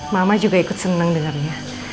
mama juga ikut senang dengannya